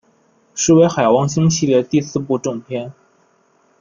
是为海王星系列的第四部正篇。